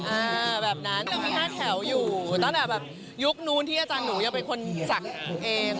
อ่าแบบนั้นจะมี๕แถวอยู่ตั้งแต่แบบยุคนู้นที่อาจารย์หนูยังเป็นคนศักดิ์เอง